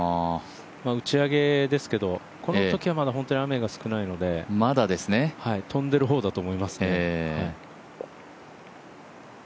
打ち上げですけどこのときは本当に雨が少ないので飛んでいる方だと思いますね。